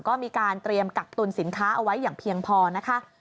ก็มีการเตรียมกักตุลสินค้าเอาไว้อย่างเพียงพอนะคะ